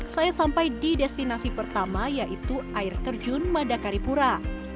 saya sampai di destinasi pertama yaitu air terjun madakaripura